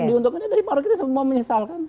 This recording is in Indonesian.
dari para kita semua menyesalkan